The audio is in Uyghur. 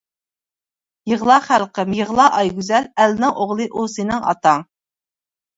يىغلا خەلقىم، يىغلا «ئايگۈزەل»، ئەلنىڭ ئوغلى «ئۇ سېنىڭ ئاتاڭ».